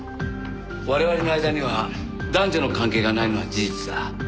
我々の間には男女の関係がないのは事実だ。